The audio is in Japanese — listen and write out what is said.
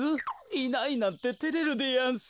いないなんててれるでやんす。